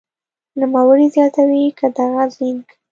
نوموړې زیاتوي که دغه زېنک